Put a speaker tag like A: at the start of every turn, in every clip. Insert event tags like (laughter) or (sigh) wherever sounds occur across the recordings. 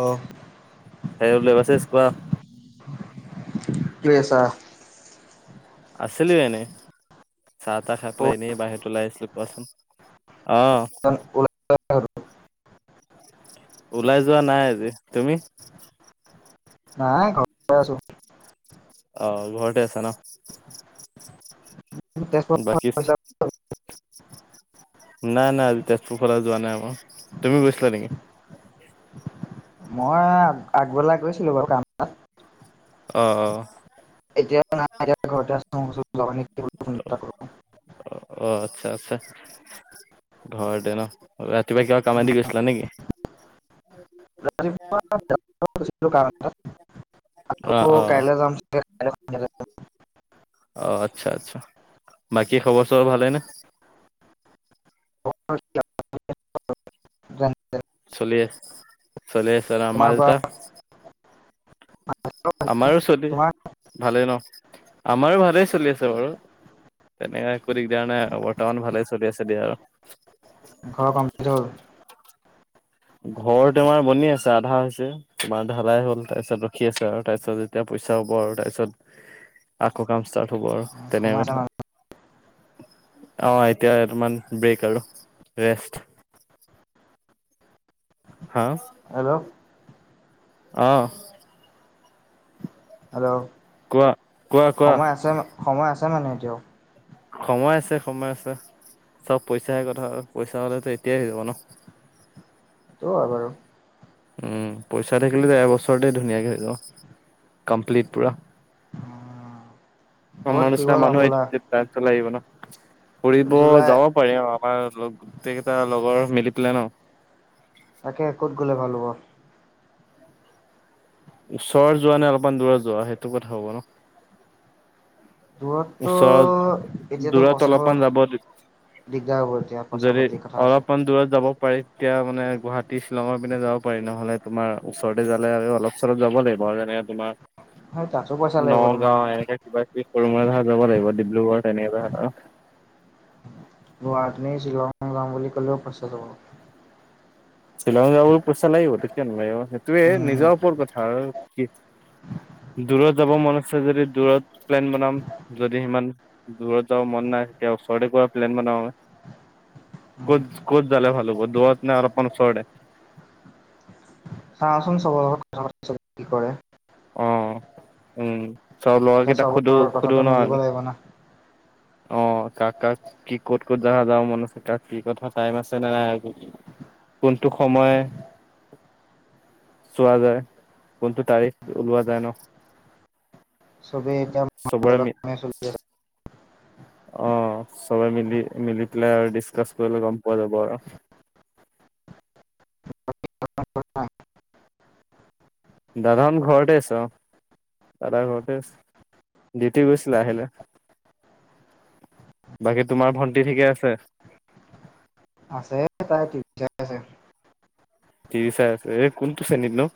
A: অঁ।
B: সেই বোলি মেছেছ কোৱা
A: কি কৰি আছা?
B: আছিলো এনেই চাহ তাহ খাই পেলাই এনেই বাহিৰত ওলাই আছিলো কোৱাচোন অঁ।
A: অন উলা
B: ওলাই যোৱা নাই আজি তুমি?
A: নাই ঘট মই আছোঁ।
B: অঁ ঘৰতে আছা ন।
A: তেজপুৰত
B: বাকীচ নাই নাই আজি তেজপুৰ যোৱা নাই ক তুমি গৈছিলা নেকি?
A: মই আগবেলাই গৈছিলো বাৰু কাম
B: অঁ অঁ।
A: এতিয়া নাই এতিয়া ঘৰতে আছোঁ ‌
B: অঁ আচ্ছা আচ্ছা ঘৰতে ন ৰাতিপুৱা কিবা কামা দি গৈছিলা নেকি?
A: ৰাতি পোৱা কামতে গৈছিলো কাম
B: অ
A: আকৌ
B: অ
A: কাইলৈ যাম চাগে কাইলে সোনকালে
B: অঁ আচ্ছা আচ্ছা বাকী খবৰ চবৰ ভালেনে?
A: (unintelligible)
B: চলিয়েছ চলিয়েছাৰ
A: তোমাৰ পৰা
B: মালটা আমাৰো চলি
A: তোমাৰ
B: ভালেই ন আমাৰো ভালেই চলি আছে বাৰু তেনেকে কৰি দিগয়াৰ নাই বৰ্তমান ভালে চলি আছে দিয়া
A: ঘৰ কম্পিউটাৰ হ'ল।
B: ঘৰ তোমাৰ আমাৰ বনি আছে আধা হৈছে তোমাৰ ঢালাই হ'ল তাৰপিছত ৰখি আছে আৰু তাৰপিছত যেতিয়া পইচা হ'ব আৰু তাৰপিছত
A: (inaudible)
B: আকৌ কাম ষ্টাৰ্ট হ'ব আৰু তেনে
A: সময় আছে
B: কথা
A: মানে
B: অঁ এতিয়া এতোমান ব্ৰেক আৰু ৰেষ্ট। হা?
A: হেল্ল'ও
B: অঁ,
A: হেল্ল'ও
B: কোৱা। কোৱা কোৱা
A: সময় আছে ম, সময় আছে মানে এতিয়াও।
B: সময় আছে, সময় আছে। চব পইচাহে কথা আৰু পইচা হ'লেতো এতিয়াই হৈ যাব ন।
A: টো হয় বাৰু।
B: উম পইচা থাকিলে যে এবছৰতে ধুনীয়াকে হৈ যাব। কমপ্লিট পুৰা।
A: ক'ত
B: আমাৰ
A: ফুৰিব
B: নিচিনা
A: যাম
B: মানুহে
A: বোলা
B: (unintelligible) চা লাগিব ন, ফুৰিব
A: জুলাই
B: যাব পাৰি অঁ আৰু আমাৰ লগ গোটেকেটা লগৰ মিলি পেলাই ন।
A: তাকে ক'ত গ'লে ভাল হ'ব
B: ওচৰ যোৱা নে অলপমান দূৰত যোৱা সেইটো কথা হ'ব ন।
A: দূৰততো
B: ওচৰত
A: এতিয়াতো
B: দূৰত
A: পচিবল
B: অলপমান যাব দি
A: দিগদাৰ হ'ব এতিয়া পইচা
B: যদি
A: পাতিৰ কথা আছে।
B: অলপান দূৰত যাব। পাৰি, তেতিয়া মানে গুৱাহাটী, শ্বিলঙৰ পিনে যাব পাৰি নহ'লে তোমাৰ ওচৰতে যালে আৰু অলপ। ওচৰত যাব লাগিব আৰু যেনেকে তোমাৰ
A: হয় তাতো পইচা লাগিব তোমাৰ
B: নগাঁও এনেকে কিবা দি সৰু মৈ ধাৰ যাব লাগিব, ডিব্ৰুগড় তেনেকে যাহাতাহা
A: গুৱাহাটী নি শ্বিলঙলে যাম বুলি ক'লেও পইচা যাব।
B: শ্বিলঙ যাবলো পইচা লাগিব, কিয় নলাগিব? সেইটোয়েই
A: উম
B: নিজৰ ওপৰত কথা আৰু কি দূৰত যাব মন আছে যদি দূৰত প্লেন বনাম, যদি সিমান দূৰত যাব মন নাই, তেতিয়া ওচৰতে ক'বাত প্লেন বনাওৱে।
A: উম
B: ক'ত ক'ত যালে ভাল হ'ব? দূৰত নে আৰু অলপ ওচৰতে?
A: চাওঁচোন চবৰ লগত কথা পাতি চাওঁ কি কৰে।
B: অঁ, উম চব লৰা
A: এতিয়া
B: কেইটাক সোধো,
A: চবৰ কথাটো
B: সোধো
A: মিলিব
B: নহ
A: (inaudible)
B: অঁ কাক কাক কি ক'ত ক'ত যাগা যাব মন আছে কাক কি কথা টাইম আছে নে নাই আ কোনটো সময় চোৱা যায়, কোনটো তাৰিখ? ওলোৱা যায় ন
A: চবেই এতিয়া (unintelligible)
B: চবৰে
A: কেনেকে চলিছে
B: অঁ, সবে মিলি মিলি পেলাই আৰু ডিছকাচ কৰিলে গ'ম পোৱা যাব আৰু।
A: না
B: দাদান ঘৰতে আছ অঁ। দাদা ঘৰতে আছে। দিউতি গৈছিল আহিলে। বাকী তোমাৰ ভণ্টি ঠিকে আছে?
A: আছে তাই ঠিক ঠাক আছে।
B: তিচাৰ আছে, এই কোনটো শ্ৰেণীত ন'।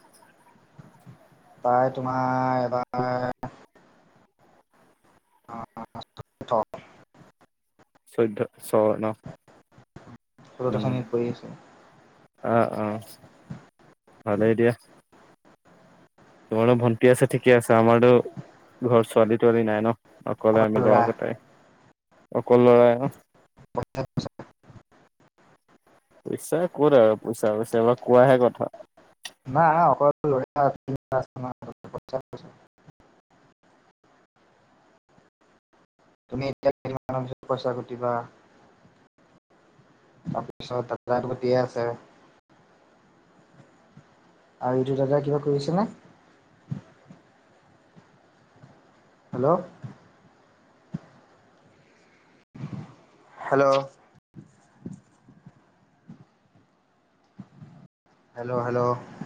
A: মাই তোমাৰ এবাৰ, (unintelligible) ত
B: চৈধ্যত চ ন
A: হলো তাখন ইনে পৰি আছে।
B: অঁ অঁ ভালেই দিয়া। তোমাৰো ভণ্টি আছে ঠিকে আছে, আমাৰতো ঘৰৰ ছোৱালী তোৱালী নাই ন। অকলে আমি লৰা কেইটাই, অকল ল'ৰাই ন।
A: (inaudible)
B: পইচা ক'ত আৰু পইচা (unintelligible) কোৱাহে কথা।
A: নাই আমাৰ অকল (unintelligible) (inaudible) তুমি এতিয়া তিনিমাহ মানৰ পিছত পইচা ঘটিবা। তাৰপিছত (unintelligible) আৰু ইটো দাদাই কিবা কৰিছেনে? হেল্ল'। হেল্ল'। Hello hello.